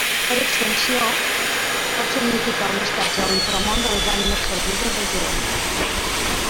Per extensió, pot significar un estatge a l'inframón de les ànimes perdudes, o Gehenna.